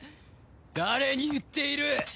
誰に言っている！？